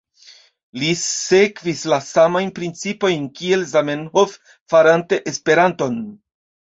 Li sekvis la samajn principojn kiel Zamenhof farante Esperanton.